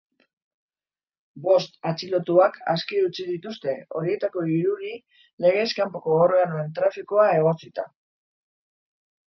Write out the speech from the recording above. Bost atxilotuak aske utzi dituzte, horietako hiruri legez kanpoko organoen trafikoa egotzita.